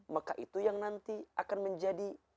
maka itu yang nanti akan menjadi